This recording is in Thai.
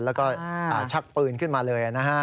แล้วก็ชักปืนขึ้นมาเลยนะฮะ